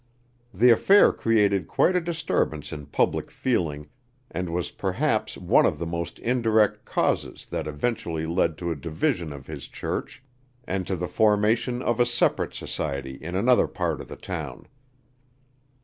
The affair created quite a disturbance in public feeling and was perhaps one of the indirect causes that eventually led to a division of his church and to the formation of a separate society in another part of the town.